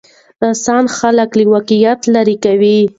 رسنۍ خلک له واقعیت لرې کوي.